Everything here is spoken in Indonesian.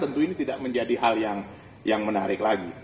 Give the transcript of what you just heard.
tentu ini tidak menjadi hal yang menarik lagi